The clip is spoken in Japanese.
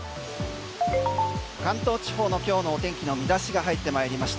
関東地方の今日のお天気の見出しが入ってまいりました。